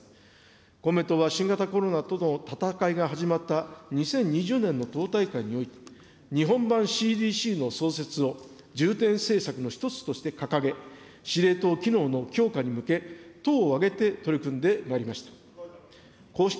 公明党は新型コロナとの闘いが始まった２０２０年の党大会において、日本版ＣＤＣの創設を、重点政策の一つとして掲げ、司令塔機能の強化に向け、党を挙げて取り組んでまいりました。